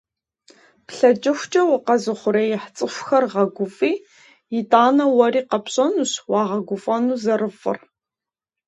ПлъэкӀыхукӀэ укъэзыухъуреихь цӀыхухэр гъэгуфӀи, итӀанэ уэри къэпщӀэнущ уагъэгуфӀэну зэрыфӀыр.